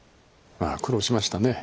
まあ苦労しましたね。